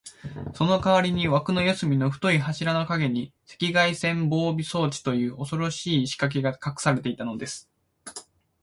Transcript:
そのかわりに、わくの四すみの太い柱のかげに、赤外線防備装置という、おそろしいしかけがかくされていたのです。